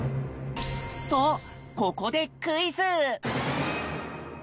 とここでクイズ！